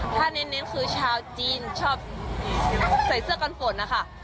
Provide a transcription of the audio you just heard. ถ้าเน้นคือชาวจีนชอบใส่เสื้อกันฝนนะคะ